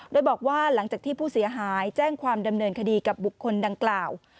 โดยบอกว่าหลังจากที่ผู้เสียหายแจ้งความดำเนินคดีกับบุคคลดังกล่าว